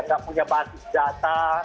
tidak punya basis data